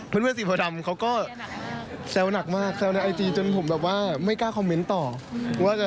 เพื่อนสีโพดำเขาก็แซวหนักมากแซวในไอจีจนผมแบบว่าไม่กล้าคอมเมนต์ต่อว่าจะ